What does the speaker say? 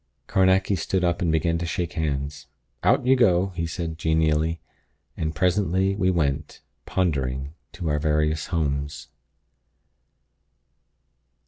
Carnacki stood up and began to shake hands. "Out you go!" he said, genially. And presently we went, pondering, to our various homes.